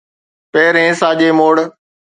پهرين ساڄي موڙ